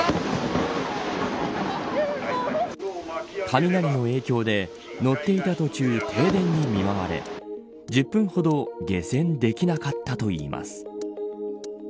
雷の影響で乗っていた途中停電に見舞われ１０分ほど下船できなかったといいます。